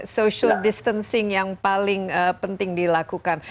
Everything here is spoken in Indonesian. social distancing yang paling penting dilakukan